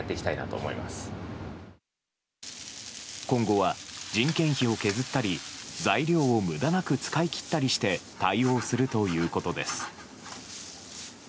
今後は人件費を削ったり材料を無駄なく使い切ったりして対応するということです。